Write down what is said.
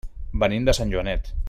Venim de Sant Joanet.